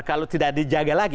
kalau tidak dijaga lagi